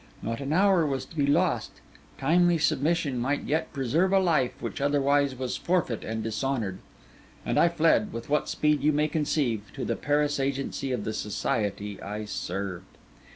Not an hour was to be lost; timely submission might yet preserve a life which otherwise was forfeit and dishonoured; and I fled, with what speed you may conceive, to the Paris agency of the society I served.